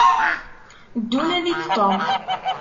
Ddu nadi-d Tom.